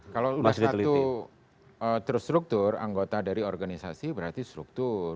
kalau sudah satu terstruktur anggota dari organisasi berarti struktur